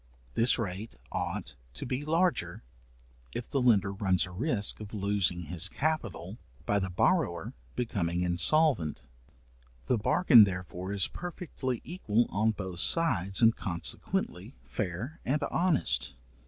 This rate ought to be larger, if the lender runs a risk of losing his capital by the borrower becoming insolvent. The bargain therefore is perfectly equal on both sides and consequently, fair and honest.